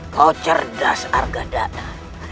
kau cerdas argadata